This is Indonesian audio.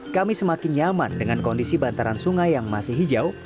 kami semakin nyaman dengan kondisi bantaran sungai yang masih hijau